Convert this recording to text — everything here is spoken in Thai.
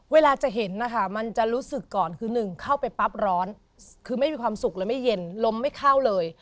เวลาจะเห็นนะคะมันจะรู้สึกก่อนคือหนึ่งเข้าไปปั๊บร้อนคือไม่มีความสุขเลยไม่เย็นลมไม่เข้าเลย